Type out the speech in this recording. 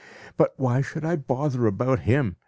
But why should I bother about him?